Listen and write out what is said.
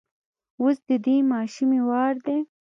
اوس د دې ماشومې وار دی.